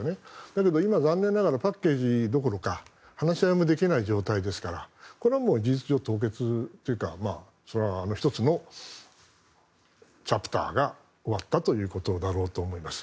だけど今、残念ながらパッケージどころか話し合いもできない状況ですからこれはもう事実上凍結というか１つのチャプターが終わったということだろうと思います。